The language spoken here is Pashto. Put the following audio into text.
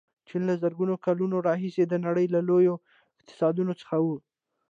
چین له زرګونو کلونو راهیسې د نړۍ له لویو اقتصادونو څخه و.